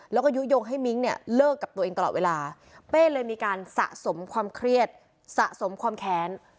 แล้วก็ยุโยงให้มิ้งเนี่ยเลิกกับตัวเองตลอดเวลาเป้เลยมีการสะสมความเครียดสะสมความแค้น